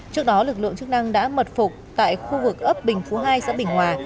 trước đó lực lượng chức năng đã mật phục tại khu vực ấp bình phú hai xã bình hòa